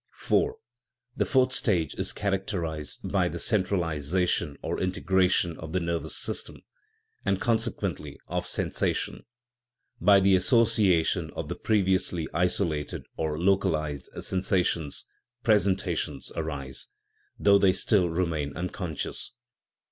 no PSYCHIC GRADATIONS IV. The fourth stage is characterized by the cen tralization or integration of the nervous system, and, consequently, of sensation ; by the association of the previously isolated or localized sensations presentations arise, though they still remain unconscious.